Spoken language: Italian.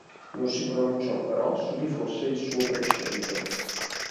Non si pronunciò però su chi fosse il suo prescelto.